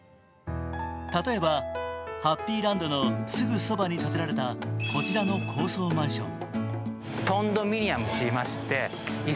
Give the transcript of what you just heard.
例えばハッピーランドのすぐそばに建てられたこちらの高層マンション。